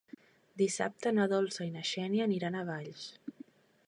Dissabte na Dolça i na Xènia aniran a Valls.